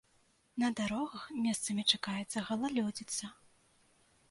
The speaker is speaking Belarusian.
На дарогах месцамі чакаецца галалёдзіца.